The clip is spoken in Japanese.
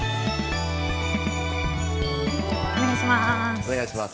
お願いします。